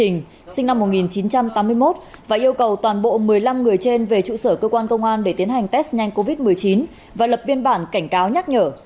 nguyễn đình sinh năm một nghìn chín trăm tám mươi một và yêu cầu toàn bộ một mươi năm người trên về trụ sở cơ quan công an để tiến hành test nhanh covid một mươi chín và lập biên bản cảnh cáo nhắc nhở